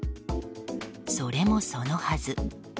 それもそのはず